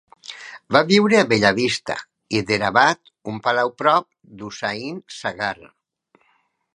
Va viure a Bella Vista, Hyderabad, un palau prop d'Hussain Sagar.